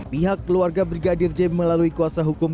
pihak keluarga brigadir j melalui kuasa hukum